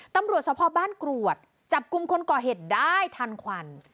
ตำรวจสภบ้านกรวดจับกลุ่มคนก่อเหตุได้ทันควัน